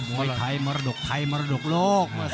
มวยไทยมรดกไทยมรดกโลก